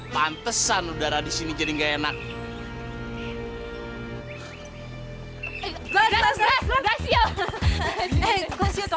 kita gak ada yang bisa glass